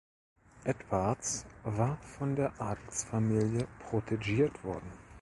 Edwards war von der Adelsfamilie protegiert worden.